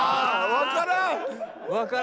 わからん。